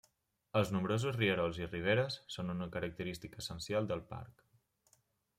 Els nombrosos rierols i riberes són una característica essencial del parc.